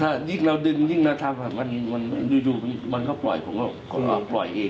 ถ้ายิ่งเราดึงยิ่งเราทำยูมันก็ปล่อยผมก็ปล่อยเองนะครับ